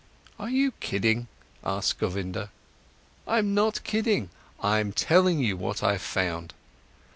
"Are you kidding?" asked Govinda. "I'm not kidding. I'm telling you what I've found.